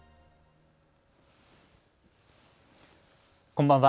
こんばんは。